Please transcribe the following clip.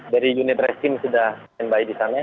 dari unit resim sudah stand by di sana